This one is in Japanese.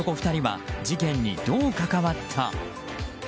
２人は事件にどう関わった？